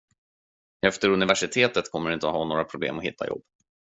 Efter universitetet kommer du inte ha några problem att hitta jobb.